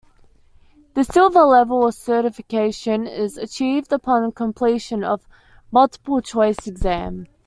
The "silver" level certification is achieved upon completion of a multiple choice exam.